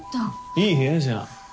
いい部屋じゃん。